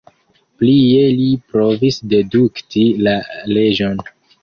Plie li provis dedukti la leĝon.